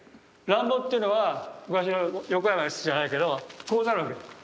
乱暴っていうのは昔の横山やすしじゃないけどこうなるわけ。